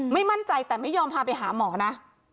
ไม่มั่นใจแต่ไม่ยอมพาไปหาหมอนะ